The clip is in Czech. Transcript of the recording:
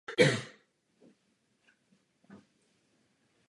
Byl vyznamenán Československým válečným křížem a československou medailí Za chrabrost.